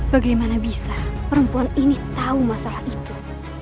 bagaimana bisa perempuan ini tahu masalah itu